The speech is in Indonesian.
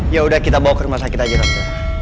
ya udah kita bawa ke rumah sakit aja nanti